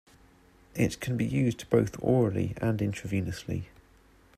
It can be used both orally and intravenously.